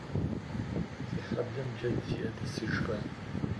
Фи хьэблэм джэд зиӏэ дэсыжкъэ?